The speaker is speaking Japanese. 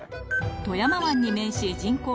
富山湾に面し人口